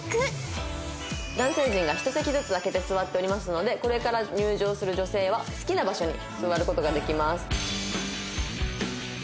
男性陣が１席ずつ空けて座っておりますのでこれから入場する女性は好きな場所に座る事ができます。